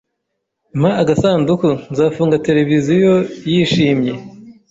Mpa agasanduku nzafunga televiziyo yishimye-